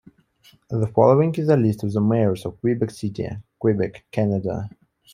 The following is a list of the Mayors of Quebec City, Quebec, Canada.